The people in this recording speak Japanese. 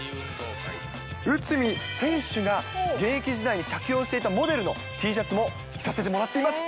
内海選手が現役時代に着用していたモデルのＴシャツも着させてもらっています。